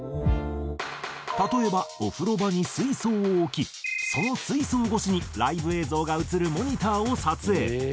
例えばお風呂場に水槽を置きその水槽越しにライブ映像が映るモニターを撮影。